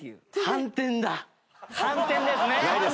反転ですね。